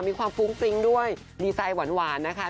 มีความฟุ้งฟริ้งด้วยดีไซน์หวานนะคะ